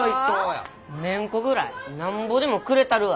メンコぐらいなんぼでもくれたるわ。